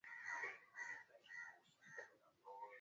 ii zile njia zetu sasa tuseme kwamba tunatoa tumkomboe